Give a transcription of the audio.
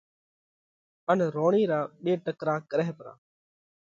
ان روڻِي را ٻي ٽڪرا ڪرئہ پرا۔